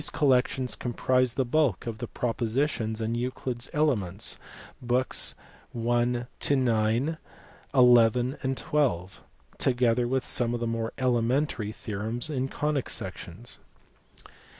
39 collections comprised the bulk of the propositions in Euclid s Elements, books I. ix., XL, and xn., together with some of the more elementary theorems in conic sections.